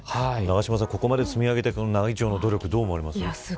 ここまで積み上げていく奈義町の努力どう思われますか。